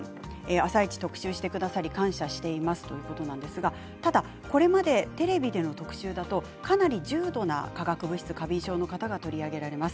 「あさイチ」特集してくださり感謝しています、ということなんですがただこれまでテレビでの特集だとかなり重度な化学物質過敏症の方が取り上げられます。